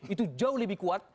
itu jauh lebih kuat